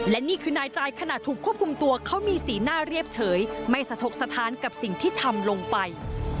และนี่คือนายจ่ายขณะถูกควบคุมตัวเขามีสีหน้าเรียบเฉยไม่สะทกสถานกับสิ่งที่ทำลงไป